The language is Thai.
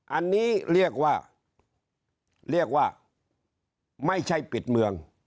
อันนี้เรียกว่าเรียกว่าไม่ใช่ปิดเมือง